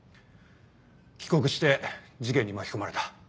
帰国して事件に巻き込まれた。